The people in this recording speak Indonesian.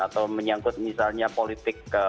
atau menyangkut misalnya politik